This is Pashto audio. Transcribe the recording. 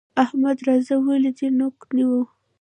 احمده! راځه ولې دې نوک نيو؟